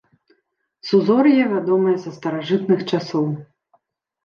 Сузор'е вядомае са старажытных часоў.